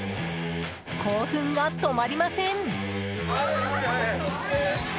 興奮が止まりません！